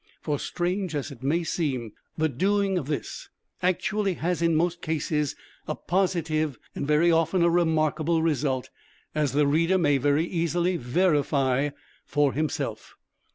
For strange as it may seem, the doing this actually has in most cases a positive, and very often a remarkable result, as the reader may very easily verify for himself.